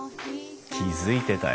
気付いてたよ。